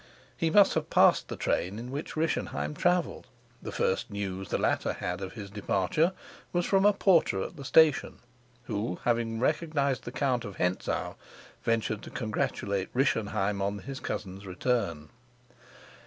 He must have passed the train in which Rischenheim traveled; the first news the latter had of his departure was from a porter at the station, who, having recognized the Count of Hentzau, ventured to congratulate Rischenheim on his cousin's return.